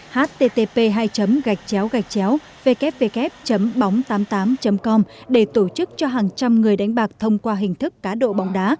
http www bóng tám mươi tám com để tổ chức cho hàng trăm người đánh bạc thông qua hình thức cá độ bóng đá